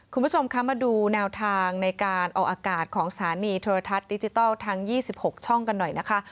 คุณผู้ชมคะมาดูแนวทางในการออกอากาศของสถานีโทรทัศน์ดิจิทัลทั้ง๒๖ช่องกันหน่อยนะคะ